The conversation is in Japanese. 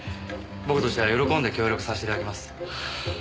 僕としては喜んで協力させていただきます。